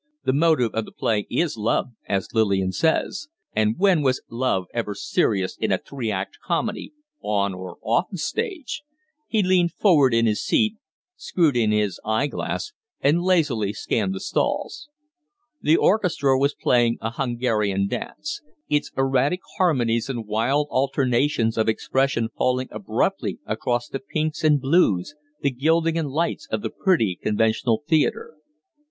"The motive of the play is love, as Lillian says. And when was love ever serious in a three act comedy on or off the stage?" He leaned forward in his seat, screwed in his eye glass, and lazily scanned the stalls. The orchestra was playing a Hungarian dance its erratic harmonies and wild alternations of expression falling abruptly across the pinks and blues, the gilding and lights of the pretty, conventional theatre.